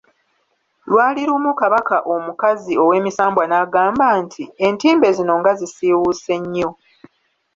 Lwali lumu Kabaka omukazi ow'emisambwa n'agamba nti "Entimbe zino nga zisiiwuuse nnyo!